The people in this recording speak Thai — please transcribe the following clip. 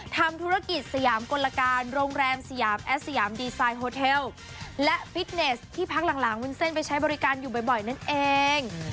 ทำธุรกิจสยามกลการโรงแรมสยามแอสยามดีไซน์โฮเทลและฟิตเนสที่พักหลังวุ้นเส้นไปใช้บริการอยู่บ่อยนั่นเอง